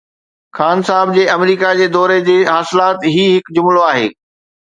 خان صاحب جي آمريڪا جي دوري جي حاصلات هي هڪ جملو آهي.